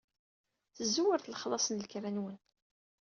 Szewret lexlaṣ n lekra-nwen.